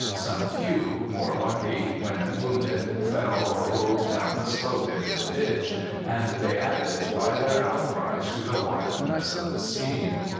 Some few, more lucky, when wounded fell or rolled down the slope into the ditch, and they added by their outcries to the wildness of the scene.